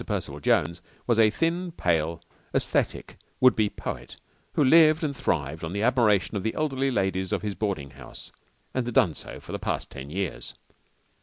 Percival Jones was a thin, pale, æsthetic would be poet who lived and thrived on the admiration of the elderly ladies of his boarding house, and had done so for the past ten years.